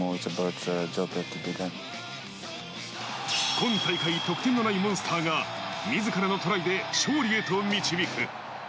今大会、得点のないモンスターが自らのトライで勝利へと導く。